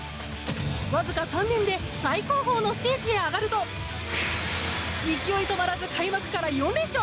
わずか３年で最高峰のステージへ上がると勢い止まらず、開幕から４連勝！